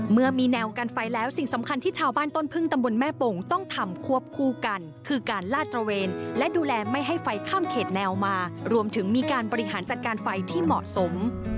เมื่อมีแนวกันไฟแล้วสิ่งสำคัญที่ชาวบ้านต้นพึ่งตำบลแม่ปงต้องทำควบคู่กันคือการลาดตระเวนและดูแลไม่ให้ไฟข้ามเขตแนวมารวมถึงมีการบริหารจัดการไฟที่เหมาะสม